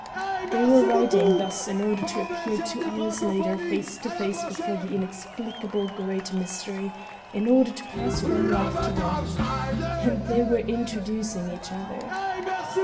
They were riding thus in order to appear two hours later face to face before the inexplicable great mystery, in order to pass from Life to Death—and they were introducing each other.